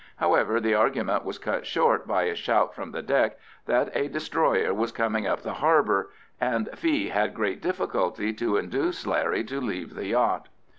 However, the argument was cut short by a shout from the deck that a destroyer was coming up the harbour, and Fee had great difficulty to induce Larry to leave the yacht.